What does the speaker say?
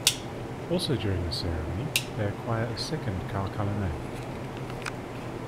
Also during this ceremony they acquire a second cow-colour name.